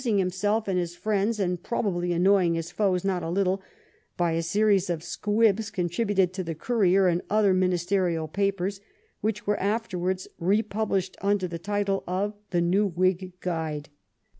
18 Peel, amnsiog himself and his friends, and prohably annoying his foes not a little, by a series of squibs oon* tribated to the Courier and other Ministerial papers, which were afterwards republished under the title of The New Whig Guide.